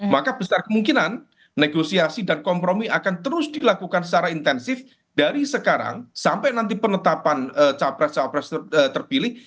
maka besar kemungkinan negosiasi dan kompromi akan terus dilakukan secara intensif dari sekarang sampai nanti penetapan capres capres terpilih